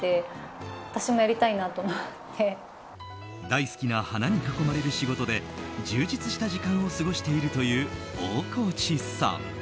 大好きな花に囲まれる仕事で充実した時間を過ごしているという大河内さん。